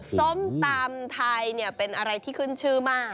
ส้มตำไทยเป็นอะไรที่ขึ้นชื่อมาก